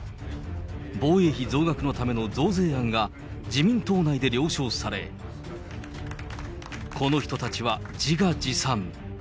防衛費増額のための増税案が、自民党内で了承され、この人たちは、自画自賛。